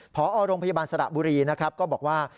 พอโรงพยาบาลสระบุรีนะครับก็บอกว่า